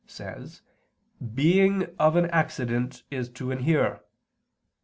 ] says, the "being of an accident is to inhere."